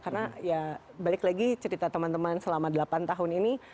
karena ya balik lagi cerita teman teman selama delapan tahun ini